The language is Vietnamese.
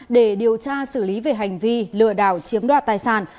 để điều tra xử lý về hành vi lừa đảo chiếm đoạt tài sản